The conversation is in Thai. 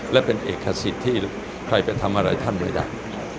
และเป็นเอกสิทธิ์ที่ใครไปทำอะไรท่านไม่ได้